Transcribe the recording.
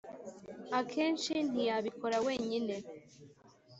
akenshi ntiyabikora wenyine.